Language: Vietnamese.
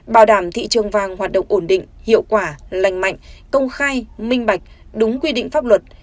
bảo đảm thị trường vàng hoạt động ổn định hiệu quả lành mạnh công khai minh bạch đúng quy định pháp luật